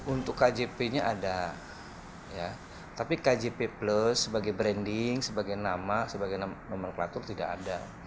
untuk kjp nya ada tapi kjp plus sebagai branding sebagai nama sebagai nomenklatur tidak ada